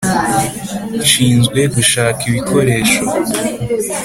nshinzwe gushaka ibikoresho